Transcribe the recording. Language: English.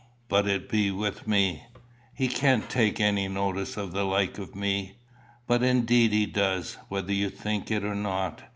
but it be with me. He can't take any notice of the like of me." "But indeed he does, whether you think it or not.